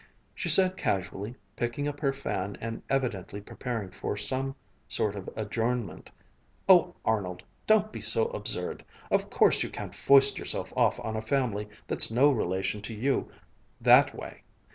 She said casually, picking up her fan and evidently preparing for some sort of adjournment: "Oh, Arnold, don't be so absurd. Of course you can't foist yourself off on a family that's no relation to you, that way.